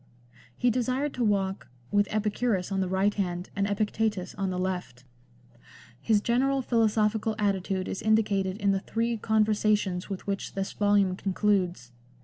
He desired to walk " with Epicurus on the right hand and Epictetus on the left." His general philosophical attitude is indi cated in the three Conversations with which this volume concludes.